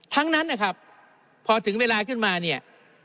ทั้งนั้นนะครับพอถึงเวลาขึ้นมาเนี่ย